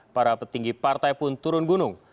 para petinggi partai pun turun gunung